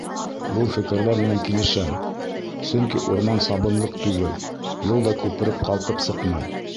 Был фекерҙәр менән килешәм, сөнки урман сабынлыҡ түгел, йыл да күпереп ҡалҡып сыҡмай.